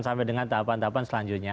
sampai dengan tahapan tahapan selanjutnya